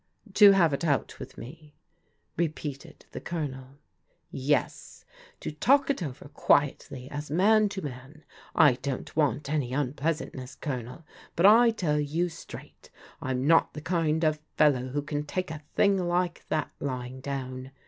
" To have it out with me? " repeated the Colonel. '* Yes. To talk it over quietly as man to man. I don't want any unpleasantness, Colonel, but I tell you straight Fm not the kind of fellow who can take a thing like that lying down.